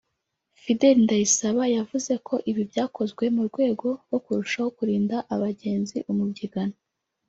Fidele Ndayisaba yavuze ko ibi byakozwe mu rwego rwo kurushaho kurinda abagenzi umubyigano